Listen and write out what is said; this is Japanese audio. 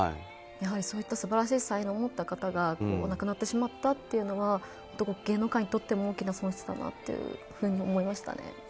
そういった素晴らしい才能を持った方が亡くなってしまったのは芸能界にとっても大きな損失だなと思いました。